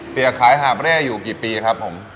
ขายหาบเร่อยู่กี่ปีครับผม